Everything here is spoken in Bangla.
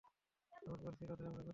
সে অনুরোধ করেছিল, তাই আমরা করেছি।